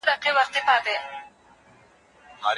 د حاملګي ضد دوا د وریښتانو توېدو سبب کیږي.